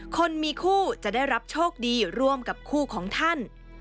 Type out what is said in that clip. คนมีคู่จะได้รับโชคดีร่วมกับคู่ของท่าน